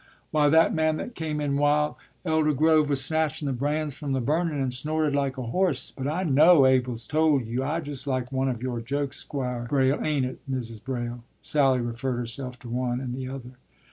” “Why, that man that came in while Elder Grove was snatchun' the brands from the burnun', and snorted like a horse But I know Abel's tol' you! It's just like one of your jokes, Squire Braile; ain't it, Mrs. Braile?” Sally referred herself to one and the other.